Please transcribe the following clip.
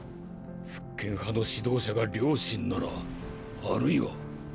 復権派の指導者が両親ならあるいは。